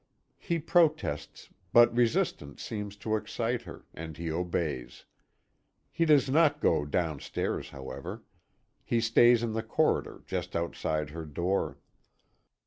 He protests, but resistance seems to excite her, and he obeys. He does not go down stairs, however. He stays in the corridor just outside her door.